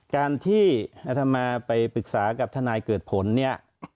การที่อัธมาไปปรึกษากับทนายเกิดผลเนี่ย